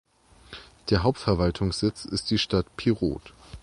Der Hauptverwaltungssitz ist die Stadt Pirot.